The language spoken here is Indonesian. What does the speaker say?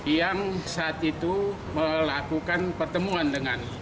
yang saat itu melakukan pertemuan dengan